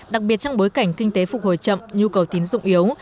đặc biệt trong bối cảnh kinh tế phục hồi chậm nhu cầu tín dụng yếu